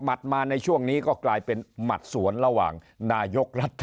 มาในช่วงนี้ก็กลายเป็นหมัดสวนระหว่างนายกรัฐ